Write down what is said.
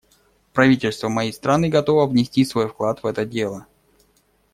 Правительство моей страны готово внести свой вклад в это дело.